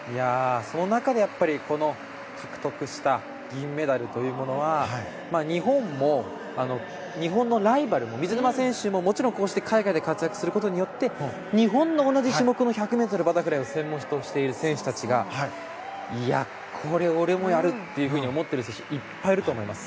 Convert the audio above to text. その中で獲得した銀メダルというものは日本も、日本のライバルも水沼選手ももちろん、こうして海外で活躍することによって日本の同じ種目の１００ｍバタフライを専門としている選手たちがこれ、俺もやるというふうに思っている選手はいっぱいいると思います。